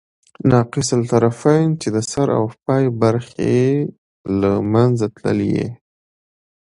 ناقص الطرفین، چي د سر او پای برخي ئې له منځه تللي يي.